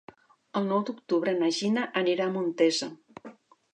El nou d'octubre na Gina anirà a Montesa.